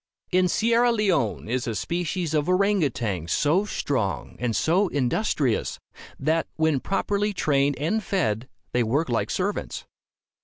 In Sierra Leone is a species of orang outang so strong and so industrious, that, when properly trained and fed, they work like servants.